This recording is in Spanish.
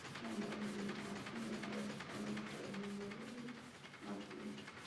Fue nombrado Di Martino en honor al astrónomo italiano Mario Di Martino.